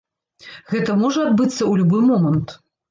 Гэта можа адбыцца ў любы момант.